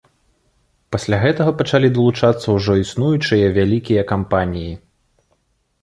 Пасля гэтага пачалі далучацца ўжо існуючыя вялікія кампаніі.